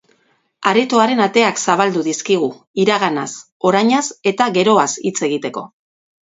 Aretoaren ateak zabaldu dizkigu iraganaz, orainaz eta geroaz hitz egiteko.